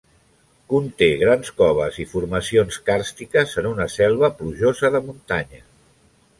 Conté grans coves i formacions càrstiques, en una selva plujosa de muntanya.